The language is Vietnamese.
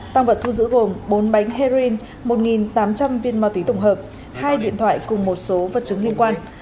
tăng vật thu giữ gồm bốn bánh heroin một tám trăm linh viên ma túy tổng hợp hai điện thoại cùng một số vật chứng liên quan